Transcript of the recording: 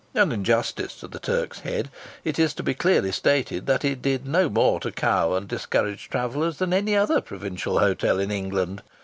And in justice to the Turk's Head it is to be clearly stated that it did no more to cow and discourage travellers than any other provincial hotel in England.